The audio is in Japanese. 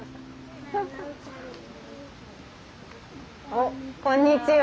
おこんにちは。